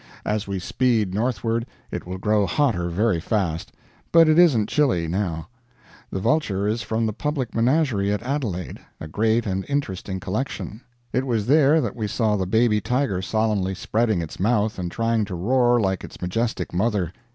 As we speed northward it will grow hotter very fast but it isn't chilly, now. ... The vulture is from the public menagerie at Adelaide a great and interesting collection. It was there that we saw the baby tiger solemnly spreading its mouth and trying to roar like its majestic mother.